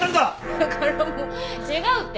だからもう違うって！